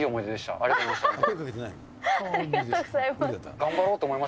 ありがとうございます。